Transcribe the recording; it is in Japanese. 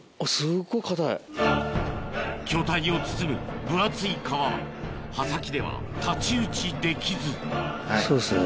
巨体を包む分厚い皮は刃先では太刀打ちできずそうですね